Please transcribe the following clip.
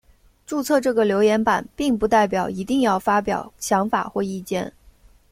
注册这个留言版并不代表一定要发表想法或意见。